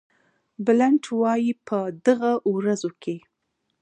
بلنټ وایي په دغه ورځو کې.